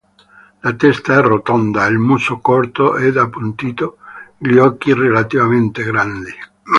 La testa è rotonda, il muso corto ed appuntito, gli occhi relativamente grandi.